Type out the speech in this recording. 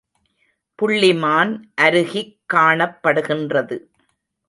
புள்ளிமான் அருகிக் காணப்படுகின்றது.